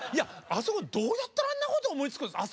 あそこどうやったらあんなことを思いつくんですか？